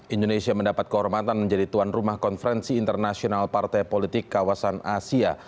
indonesia mendapat kehormatan menjadi tuan rumah konferensi internasional partai politik kawasan asia